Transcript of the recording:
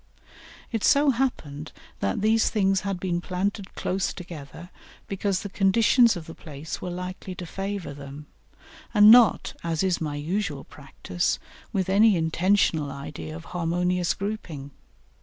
It so happened that these things had been planted close together because the conditions of the place were likely to favour them, and not, as is my usual practice, with any intentional idea of harmonious grouping.